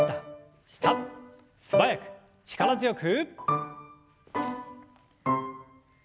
素早く力強く。